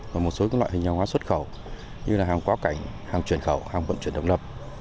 và một số loại hình hàng hóa xuất khẩu như hàng quáo cảnh hàng chuyển khẩu hàng vận chuyển động lập